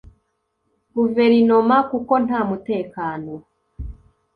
guverinoma kuko nta mutekano